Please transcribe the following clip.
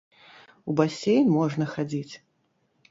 У басейн можна хадзіць.